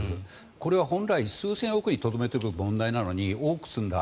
これは本来、数千億にとどめておくべき問題なのに多く積んだ。